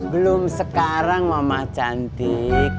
belum sekarang mamah cantik